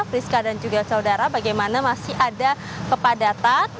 priska dan juga saudara bagaimana masih ada kepadatan